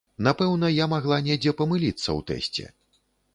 Напэўна, я магла недзе памыліцца ў тэсце.